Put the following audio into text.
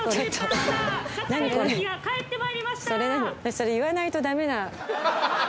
それ言わないと駄目な？